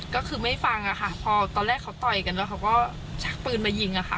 ก็คือไม่ฟังอะค่ะพอตอนแรกเขาต่อยกันแล้วเขาก็ชักปืนมายิงอะค่ะ